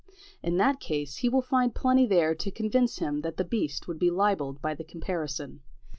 In that case, he will find plenty there to convince him that the beast would be libelled by the comparison.